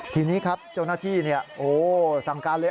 ทีนี้ครับโจนที่นี่โอ้สั่งการเลย